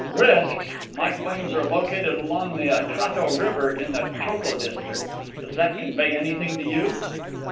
"Risks! My claims are located along the Atrato River in the Choco district. Does that convey anything to you?"